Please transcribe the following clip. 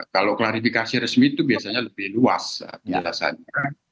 kalau klarifikasi resmi itu biasanya lebih luas penjelasannya